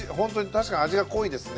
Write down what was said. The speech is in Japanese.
確かに味が濃いですね。